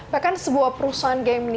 bahkan sebuah perusahaan game nintendo